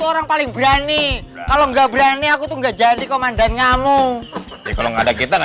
orang paling berani kalau nggak berani aku tuh nggak jadi komandan kamu kalau nggak ada kita